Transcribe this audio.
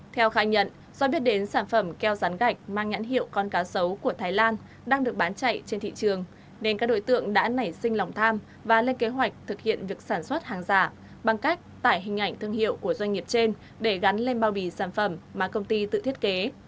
theo khai nhận do biết đến sản phẩm keo rán gạch mang nhãn hiệu con cá sấu của thái lan đang được bán chạy trên thị trường nên các đối tượng đã nảy sinh lòng tham và lên kế hoạch thực hiện việc sản xuất hàng giả bằng cách tải hình ảnh thương hiệu của doanh nghiệp trên để gắn lên bao bì sản phẩm mà công ty tự thiết kế